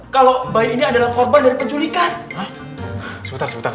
kalau bayinya adalah korban dari penculikan